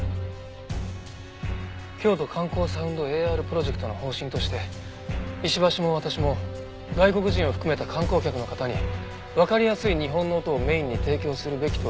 京都観光サウンドＡＲプロジェクトの方針として石橋も私も外国人を含めた観光客の方にわかりやすい日本の音をメインに提供するべきと主張したんです。